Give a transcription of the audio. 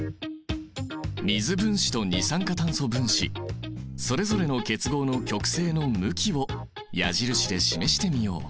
水分子と二酸化炭素分子それぞれの結合の極性の向きを矢印で示してみよう。